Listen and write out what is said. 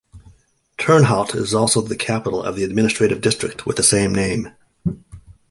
Turnhout is also the capital of the administrative district with the same name.